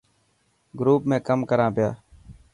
گروپ ۾ ڪم ڪران پيا.